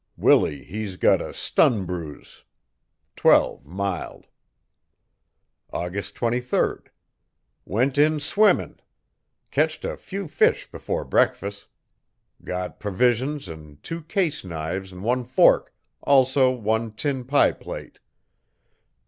Willie hes got a stun bruze. 12 mild. AUGUST 23 Went in swinmun. Ketched a few fish before breakfus'. Got provisions an' two case knives an' one fork, also one tin pie plate.